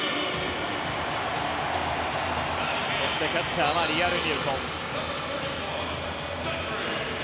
そして、キャッチャーはリアルミュート。